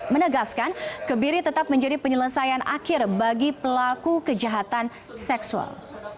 menegaskan kebiri tetap menjadi penyelesaian akhir bagi pelaku kejahatan seksual